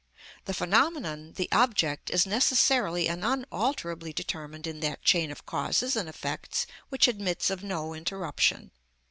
The phenomenon, the object, is necessarily and unalterably determined in that chain of causes and effects which admits of no interruption.